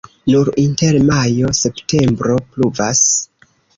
Nur inter majo-septembro pluvas.